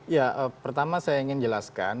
ya pertama saya ingin jelaskan